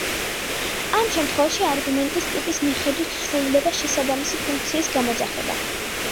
ამ შემთხვევაში, არგუმენტის ტიპის მიხედვით სრულდება შესაბამისი ფუნქციის გამოძახება.